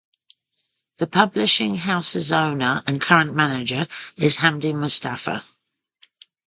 The publishing house's owner and current manager is Hamdi Mustafa.